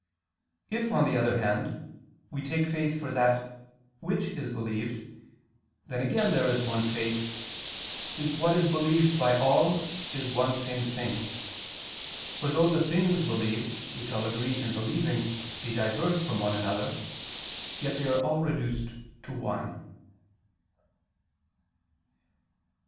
If, on the other hand, we take faith for that which is believed, then, again, there is one faith, since what is believed by all is one same thing: for though the things believed, which all agree in believing, be diverse from one another, yet they are all reduced to one.